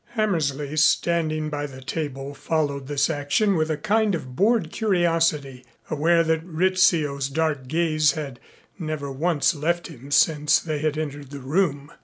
Hammersley, standing by the table, followed this action with a kind of bored curiosity, aware that Rizzio's dark gaze had never once left him since they had entered the room.